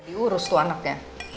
diurus tuh anaknya